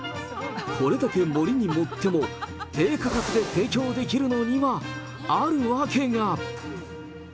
これだけ盛りに盛っても、低価格で提供できるのにはある訳が。